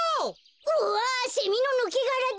うわセミのぬけがらだ！